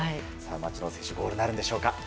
町野選手、ゴールなるでしょうか。